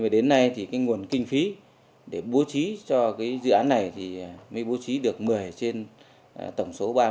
đến nay thì cái nguồn kinh phí để bố trí cho cái dự án này thì mới bố trí được một mươi trên tổng số